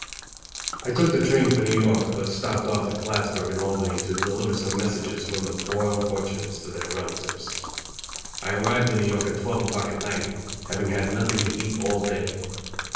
I took the train for New York, but stopped off at Plattsburg and Albany to deliver some messages from the poor unfortunates to their relatives. I arrived in New York at twelve o'clock at night, having had nothing to eat all day.